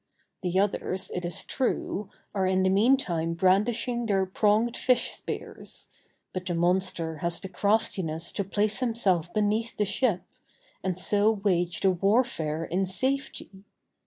The others, it is true, are in the mean time brandishing their pronged fish spears; but the monster has the craftiness to place himself beneath the ship, and so wage the warfare in safety.